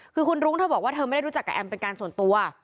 คือคุณรุ้งเธอบอกว่าเธอไม่ได้รู้จักกับแอมเป็นการส่วนตัว